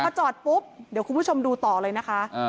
พอจอดปุ๊บเดี๋ยวคุณผู้ชมดูต่อเลยนะคะ